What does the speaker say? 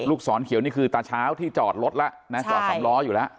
ลูกสอนเขียวนี่คือตาเช้าที่จอดรถละจอดสำล้ออยู่ละ